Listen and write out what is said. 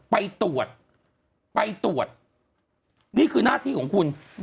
ไปตรวจนี่คือหน้าที่ของคุณ